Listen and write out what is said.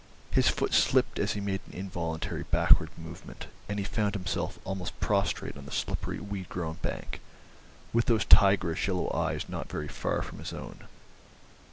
His foot slipped as he made an involuntarily backward movement, and he found himself almost prostrate on the slippery weed grown bank, with those tigerish yellow eyes not very far from his own.